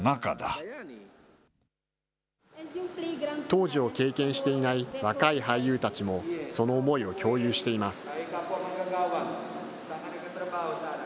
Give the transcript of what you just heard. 当時を経験していない若い俳優たちも、その思いを共有しています。